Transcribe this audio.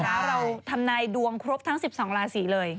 เราทำนายดวงครบทั้ง๑๒ราศีเลย